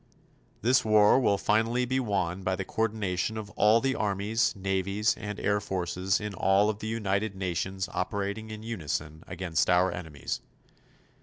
This war will finally be won by the coordination of all the armies, navies and air forces of all of the United Nations operating in unison against our enemies.